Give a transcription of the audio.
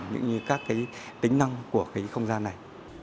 cũng như các cái tính năng của cái không gian này